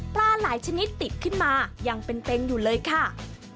หลายชนิดติดขึ้นมายังเป็นเต็งอยู่เลยค่ะ